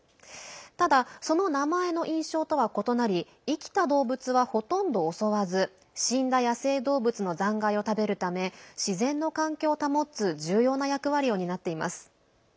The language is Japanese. ただ、その名前の印象とは異なり生きた動物は、ほとんど襲わず死んだ野生動物の残骸を食べるため自然の環境を保つ重要な役割を担っています。